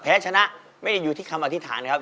ชนะไม่ได้อยู่ที่คำอธิษฐานครับ